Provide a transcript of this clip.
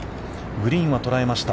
グリーンは捉えました。